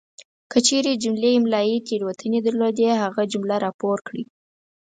کچیري جملې املائي تیروتنې درلودې هغه جمله راپور کړئ!